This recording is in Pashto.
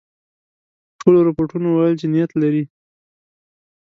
ټولو رپوټونو ویل چې نیت لري.